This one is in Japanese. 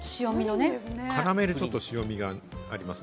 カラメル、ちょっと塩味がありますね。